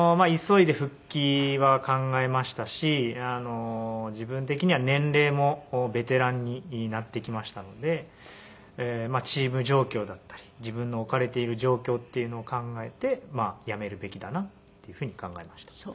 急いで復帰は考えましたし自分的には年齢もベテランになってきましたのでチーム状況だったり自分の置かれている状況っていうのを考えて辞めるべきだなっていうふうに考えました。